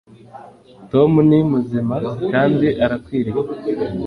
tom ni muzima kandi arakwiriye